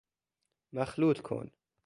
مخلوط کن